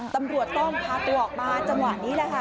ตำรวจต้องพาตัวออกมาจังหวะนี้แหละค่ะ